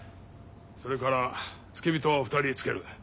それから付け人を２人つける。